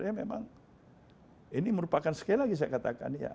ya memang ini merupakan sekali lagi saya katakan